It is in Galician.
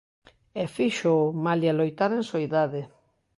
E fíxoo malia loitar en soidade.